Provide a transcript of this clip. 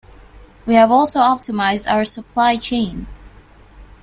We have also optimised our supply chain.